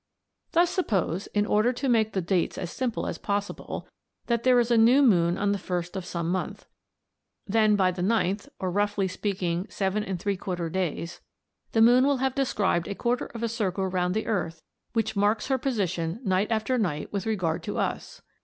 Thus suppose, in order to make the dates as simple as possible, that there is a new moon on the 1st of some month. Then by the 9th (or roughly speaking in 7¾ days) the moon will have described a quarter of a circle round the earth as shown by the dotted line (Fig. 2), which marks her position night after night with regard to us.